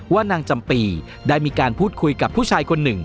นางจำปีได้มีการพูดคุยกับผู้ชายคนหนึ่ง